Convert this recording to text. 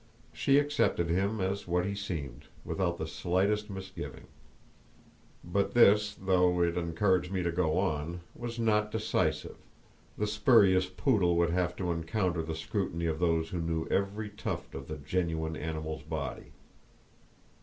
She accepted him as what he seemed without the slightest misgiving; but this, though it encouraged me to go on, was not decisive—the spurious poodle would have to encounter the scrutiny of those who knew every tuft on the genuine animal's body!